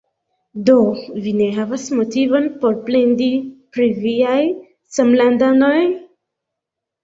Do, vi ne havas motivon por plendi pri viaj samlandanoj?